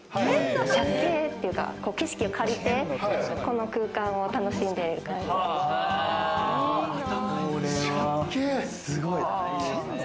借景っていうか、景色を借りて、この空間を楽しんでいる感じです。